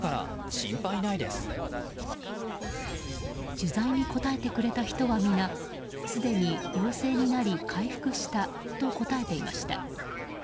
取材に答えてくれた人は、皆すでに陽性になり回復したと答えていました。